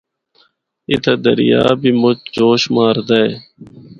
اِتھا دریا بھی مُچ جوش ماردا اے۔